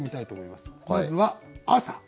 まずは「朝」。